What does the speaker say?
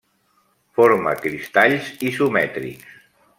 Forma cristalls isomètrics.